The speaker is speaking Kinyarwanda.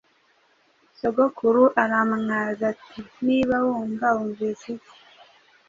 Sogokuru arambaza ati: “ Niba wumva, wumvise iki?”